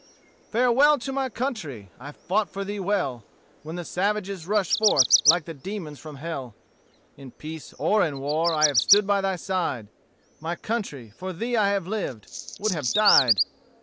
"Farewell to my country! I fought for thee well, When the savage rushed forth like the demons from hell In peace or in war I have stood by thy side My country, for thee I have lived, would have died!